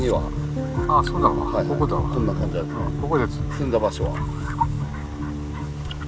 積んだ場所は。